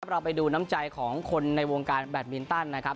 เราไปดูน้ำใจของคนในวงการแบตมินตันนะครับ